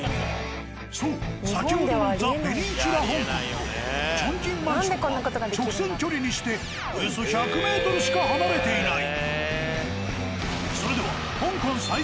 そう先ほどのザ・ペニンシュラ香港とチョンキンマンションは直線距離にしておよそ１００ｍしか離れていない。